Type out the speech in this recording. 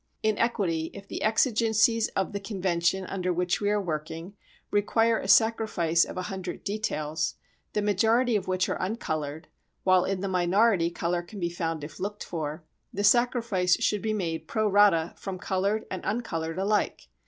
In equity, if the exigencies of the convention under which we are working require a sacrifice of a hundred details, the majority of which are uncoloured, while in the minority colour can be found if looked for, the sacrifice should be made pro rata from coloured and uncoloured alike.